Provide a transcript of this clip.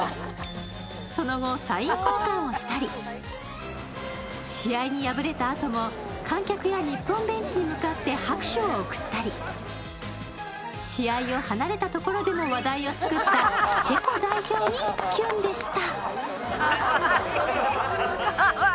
その後、サイン交換をしたり試合に敗れたあとも観客や日本ベンチに向かって拍手を送ったり、試合を離れたところでも話題を作ったチェコ代表にキュンでした。